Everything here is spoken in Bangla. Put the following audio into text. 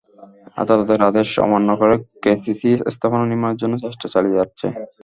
আদালতের আদেশ অমান্য করে কেসিসি স্থাপনা নির্মাণের জন্য চেষ্টা চালিয়ে যাচ্ছে।